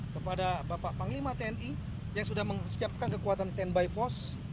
kepada bapak panglima tni yang sudah menyiapkan kekuatan standby post